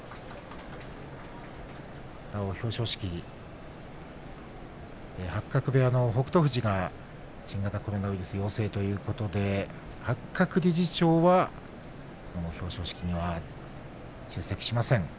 表彰式、八角部屋の北勝富士が新型コロナの陽性ということで八角理事長は、この表彰式には出席しません。